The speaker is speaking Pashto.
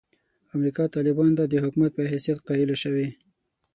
امریکا طالبانو ته د حکومت په حیثیت قایله شوې.